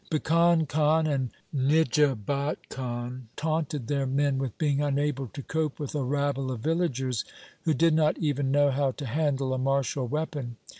Bhikan Khan and Nijabat Khan taunted their men with being unable to cope with a rabble of villagers who did not even know how to handle a martial weapon.